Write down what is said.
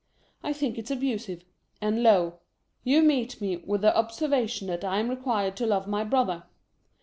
I think it's abusive and low. You meet me with the obser vation that I am required to love my brother.